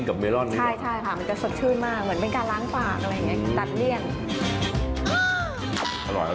ตัดเลี่ยน